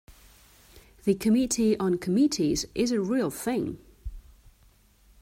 The Committee on Committees is a real thing.